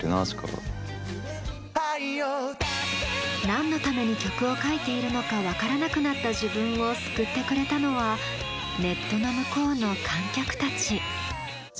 何のために曲を書いているのか分からなくなった自分を救ってくれたのはネットの向こうの観客たち。